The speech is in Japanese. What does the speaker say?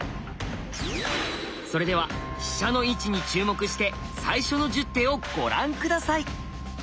それでは飛車の位置に注目して最初の１０手をご覧下さい。